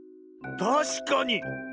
たしかに。